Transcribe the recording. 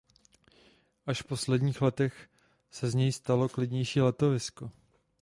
Až v posledních letech se z něj stalo klidnější letovisko.